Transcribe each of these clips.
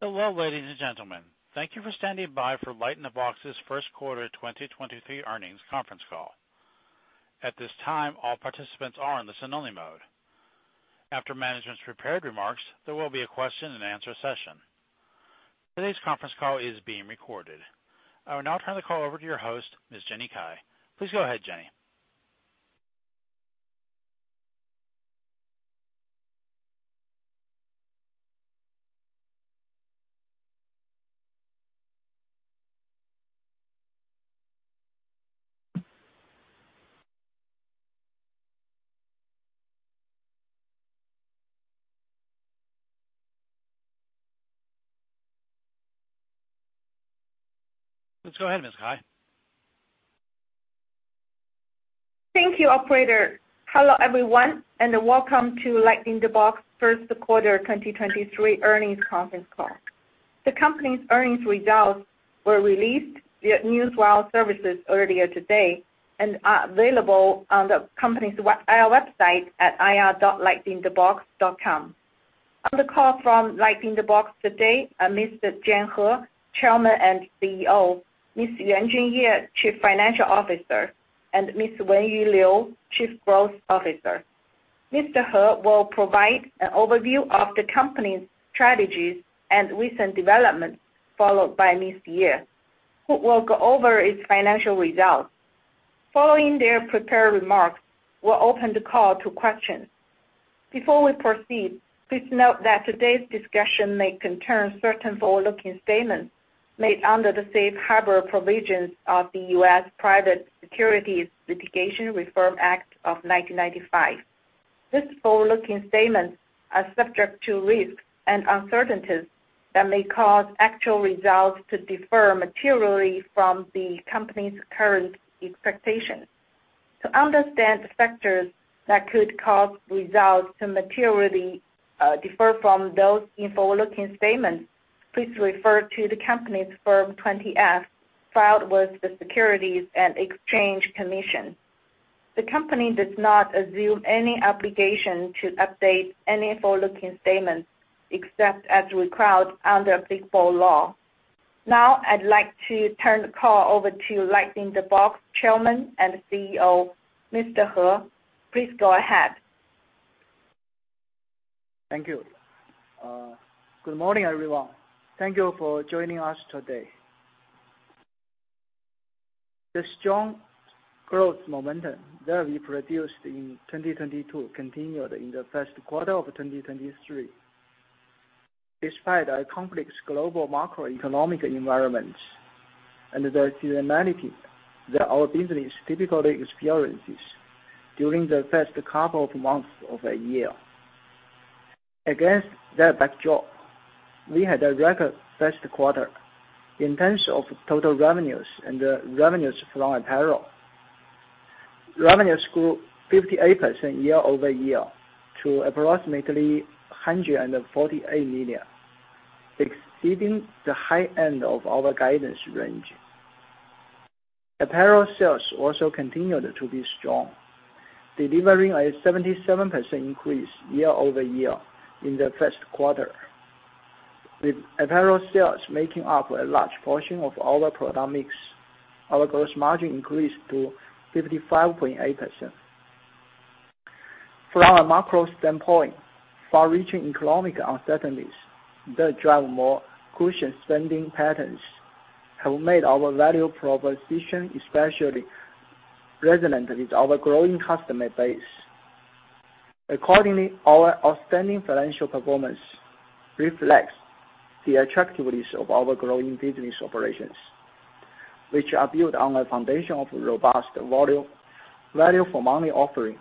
Hello, ladies and gentlemen. Thank you for standing by for LightInTheBox's first quarter, 2023 earnings conference call. At this time, all participants are in the listen-only mode. After management's prepared remarks, there will be a question and answer session. Today's conference call is being recorded. I will now turn the call over to your host, Ms. Jenny Cai. Please go ahead, Jenny. Please go ahead, Ms. Cai. Thank you, operator. Hello, everyone, and welcome to LightInTheBox first quarter 2023 earnings conference call. The company's earnings results were released via news wire services earlier today and are available on the company's IR website at ir.lightinthebox.com. On the call from LightInTheBox today are Mr. Jian He, Chairman and CEO; Ms. Yuanjun Ye, Chief Financial Officer; and Ms. Wenyu Liu, Chief Growth Officer. Mr. He will provide an overview of the company's strategies and recent developments, followed by Ms. Ye, who will go over its financial results. Following their prepared remarks, we'll open the call to questions. Before we proceed, please note that today's discussion may concern certain forward-looking statements made under the Safe Harbor provisions of the US Private Securities Litigation Reform Act of 1995. These forward-looking statements are subject to risks and uncertainties that may cause actual results to differ materially from the company's current expectations. To understand the factors that could cause results to materially differ from those in forward-looking statements, please refer to the company's Form 20-F, filed with the Securities and Exchange Commission. The company does not assume any obligation to update any forward-looking statements, except as required under applicable law. I'd like to turn the call over to LightInTheBox Chairman and CEO, Mr. He. Please go ahead. Thank you. good morning, everyone. Thank you for joining us today. The strong growth momentum that we produced in 2022 continued in the first quarter of 2023, despite a complex global macroeconomic environment and the seasonality that our business typically experiences during the first couple of months of a year. Against that backdrop, we had a record first quarter in terms of total revenues and revenues from apparel. Revenues grew 58% year-over-year to approximately $148 million, exceeding the high end of our guidance range. Apparel sales also continued to be strong, delivering a 77% increase year-over-year in the first quarter. With apparel sales making up a large portion of our product mix, our gross margin increased to 55.8%. From a macro standpoint, far-reaching economic uncertainties that drive more caution spending patterns have made our value proposition especially resonant with our growing customer base. Accordingly, our outstanding financial performance reflects the attractiveness of our growing business operations, which are built on a foundation of robust volume, value for money offering,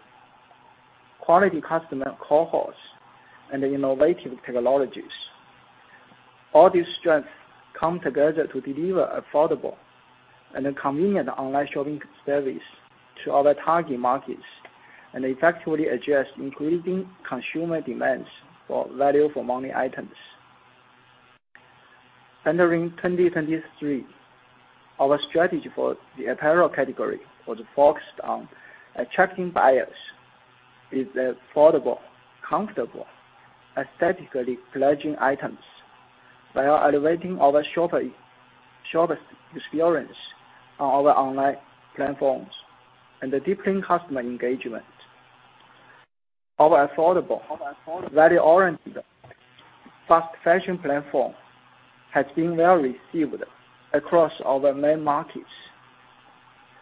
quality customer cohorts, and innovative technologies. All these strengths come together to deliver affordable and convenient online shopping service to our target markets and effectively address increasing consumer demands for value for money items. Entering 2023, our strategy for the apparel category was focused on attracting buyers with affordable, comfortable, aesthetically pleasing items while elevating our shopper experience on our online platforms and deepening customer engagement. Our affordable, value-oriented fast fashion platform has been well received across our main markets,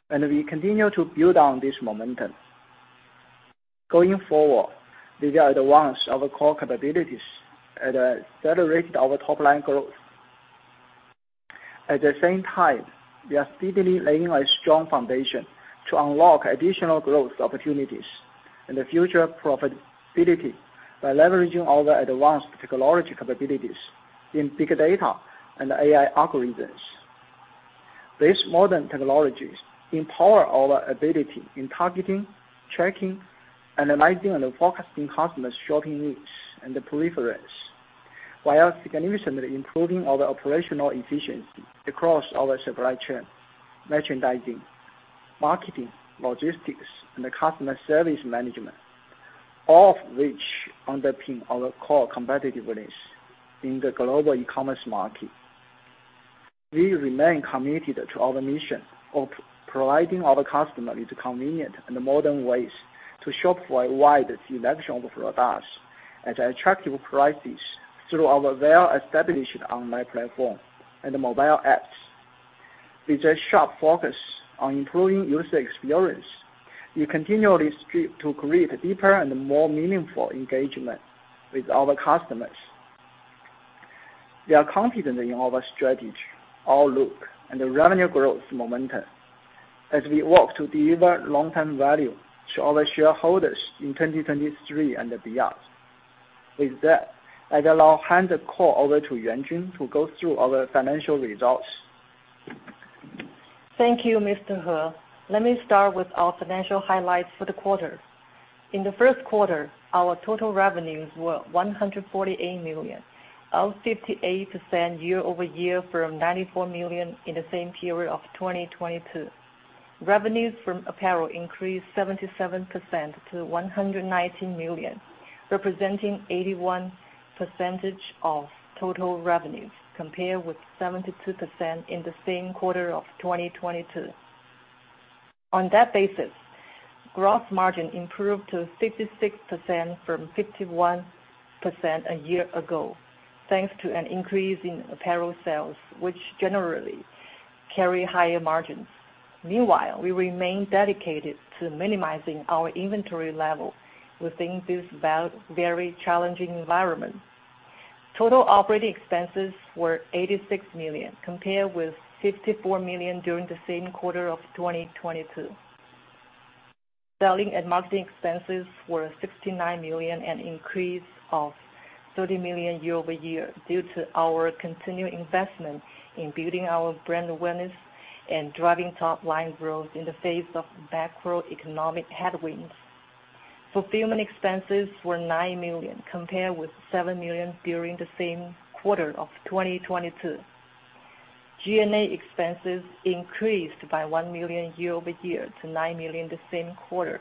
and we continue to build on this momentum. Going forward, these are the ones our core capabilities that accelerate our top line growth. At the same time, we are steadily laying a strong foundation to unlock additional growth opportunities and the future profitability by leveraging our advanced technology capabilities in big data and AI algorithms. These modern technologies empower our ability in targeting, tracking, analyzing and forecasting customers' shopping needs and the preference, while significantly improving our operational efficiency across our supply chain, merchandising, marketing, logistics, and customer service management, all of which underpin our core competitiveness in the global e-commerce market. We remain committed to our mission of providing our customer with convenient and modern ways to shop for a wide selection of products at attractive prices through our well-established online platform and mobile apps. With a sharp focus on improving user experience, we continually strive to create a deeper and more meaningful engagement with our customers. We are confident in our strategy, outlook, and revenue growth momentum as we work to deliver long-term value to our shareholders in 2023 and beyond. I'd now hand the call over to Yuanjun, who goes through our financial results. Thank you, Mr. He. Let me start with our financial highlights for the quarter. In the first quarter, our total revenues were $148 million, up 58% year-over-year from $94 million in the same period of 2022. Revenues from apparel increased 77% to $119 million, representing 81% of total revenues, compared with 72% in the same quarter of 2022. On that basis, gross margin improved to 56% from 51% a year ago, thanks to an increase in apparel sales, which generally carry higher margins. Meanwhile, we remain dedicated to minimizing our inventory level within this very challenging environment. Total operating expenses were $86 million, compared with $54 million during the same quarter of 2022. Selling and marketing expenses were $69 million, an increase of $30 million year-over-year, due to our continued investment in building our brand awareness and driving top line growth in the face of macroeconomic headwinds. Fulfillment expenses were $9 million, compared with $7 million during the same quarter of 2022. G&A expenses increased by $1 million year-over-year to $9 million the same quarter.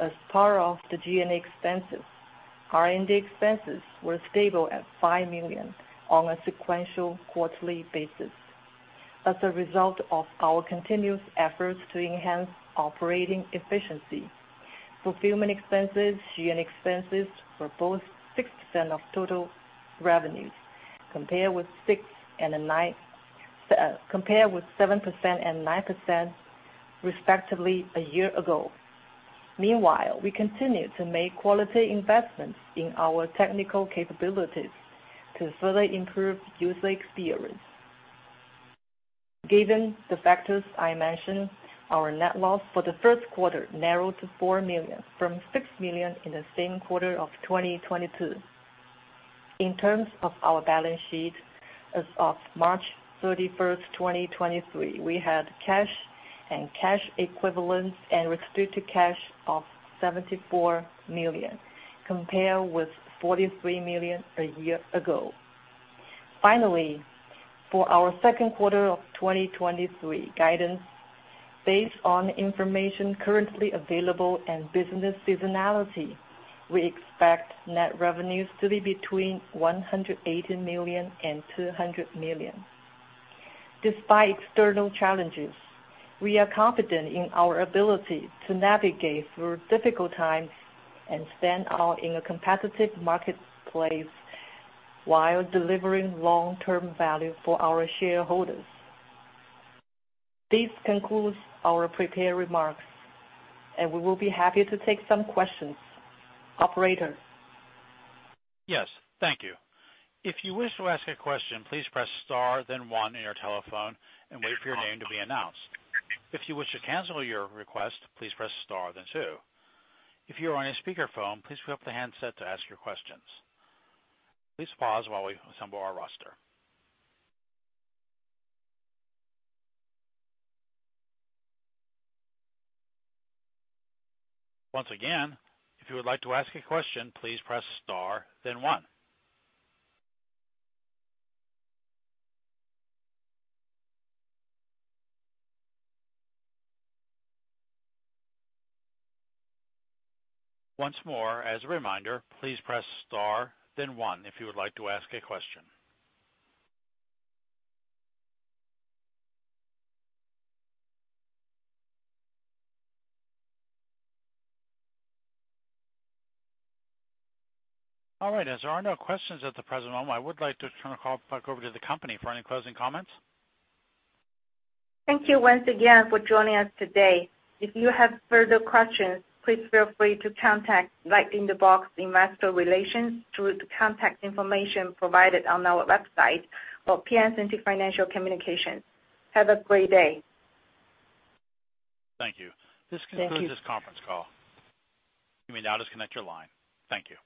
As part of the G&A expenses, R&D expenses were stable at $5 million on a sequential quarterly basis. As a result of our continuous efforts to enhance operating efficiency, fulfillment expenses, G&A expenses were both 6% of total revenues, compared with 7% and 9%, respectively, a year ago. Meanwhile, we continue to make quality investments in our technical capabilities to further improve user experience. Given the factors I mentioned, our net loss for the first quarter narrowed to $4 million from $6 million in the same quarter of 2022. In terms of our balance sheet, as of March 31, 2023, we had cash and cash equivalents and restricted cash of $74 million, compared with $43 million a year ago. For our second quarter of 2023 guidance, based on information currently available and business seasonality, we expect net revenues to be between $180 million and $200 million. Despite external challenges, we are confident in our ability to navigate through difficult times and stand out in a competitive marketplace while delivering long-term value for our shareholders. This concludes our prepared remarks, and we will be happy to take some questions. Operator? Yes, thank you. If you wish to ask a question, please press star, then one in your telephone and wait for your name to be announced. If you wish to cancel your request, please press star, then two. If you are on a speakerphone, please pick up the handset to ask your questions. Please pause while we assemble our roster. Once again, if you would like to ask a question, please press star, then one. Once more, as a reminder, please press star, then one if you would like to ask a question. All right, as there are no questions at the present moment, I would like to turn the call back over to the company for any closing comments. Thank you once again for joining us today. If you have further questions, please feel free to contact LightInTheBox Investor Relations through the contact information provided on our website or Piacente Financial Communications. Have a great day. Thank you. Thank you. This concludes this conference call. You may now disconnect your line. Thank you.